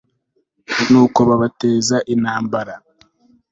nuko babateza intambara